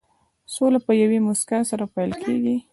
سوله په یوې موسکا سره پيل کېږي.